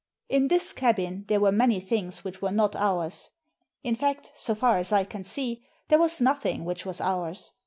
In this cabin there were many things which were not ours. In fact, so far as I can see, there was nothing which was ours.